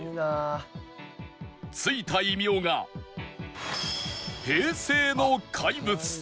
付いた異名が平成の怪物